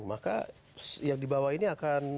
maka yang di bawah ini akan